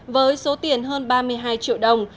với số tiền hơn ba mươi hai triệu đồng